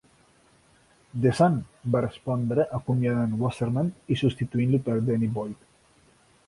The Sun va respondre acomiadant Wasserman i substituint-lo per Denny Boyd.